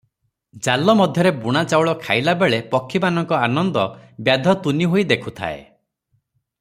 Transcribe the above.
ଜାଲ ମଧ୍ୟରେ ବୁଣା ଚାଉଳ ଖାଇଲା ବେଳେ ପକ୍ଷୀମାନଙ୍କ ଆନନ୍ଦ ବ୍ୟାଧ ତୁନିହୋଇ ଦେଖୁଥାଏ ।